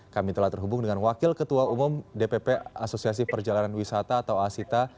kami telah terhubung dengan wakil ketua umum dpp asosiasi perjalanan wisata atau asita